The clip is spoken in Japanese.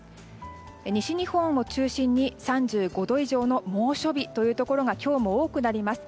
西日本を中心に３５度以上の猛暑日というところが今日も多くなります。